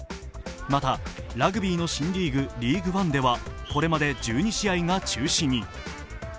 またラグビーの新リーグ、ＬＥＡＧＵＥＯＮＥでは、これまで１２試合が中止に。